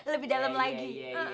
lebih dalam lagi